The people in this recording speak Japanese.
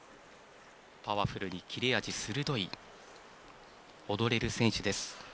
パワフルに切れ味鋭い踊れる選手です。